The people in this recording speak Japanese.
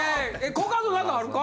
コカドなんかあるか？